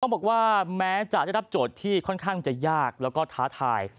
บอกว่าแม้จะได้รับโจทย์ที่ค่อนข้างจะยากแล้วก็ท้าทาย